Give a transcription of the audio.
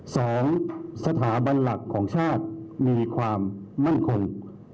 สองสถาบันหลักของชาติมีความมั่นคง